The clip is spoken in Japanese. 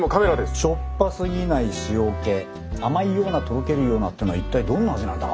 しょっぱすぎない塩気甘いようなとろけるようなってのは一体どんな味なんだ？